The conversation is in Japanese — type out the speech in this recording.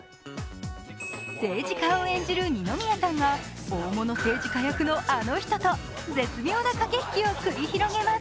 政治家を演じる二宮さんが大物政治家役のあの人と絶妙な駆け引きを繰り広げます。